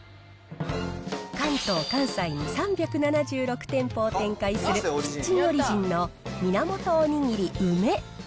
関東、関西に３７６店舗を展開するキッチンオリジンの源おにぎり梅。